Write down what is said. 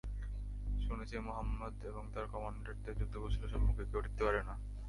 শুনেছি, মুহাম্মাদ এবং তার কমান্ডারদের যুদ্ধ-কৌশলের সম্মুখে কেউ টিকতে পারে না।